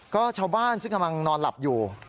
ก็ชาวบ้านซึ่งกำลังนอนหลับอยู่